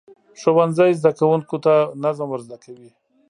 ښوونځی زده کوونکو ته نظم ورزده کوي.